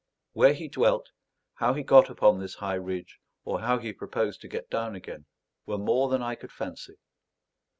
Where he dwelt, how he got upon this high ridge, or how he proposed to get down again, were more than I could fancy.